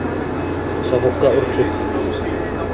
sovuqda urchib